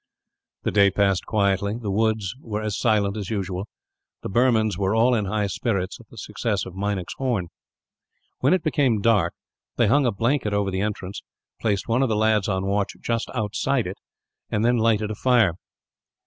The day passed quietly. The woods were as silent as usual. The Burmans were all in high spirits at the success of Meinik's horn. When it became dark, they hung a blanket before the entrance, placed one of the lads on watch just outside it, and then lighted a fire.